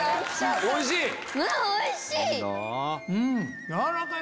おいしい？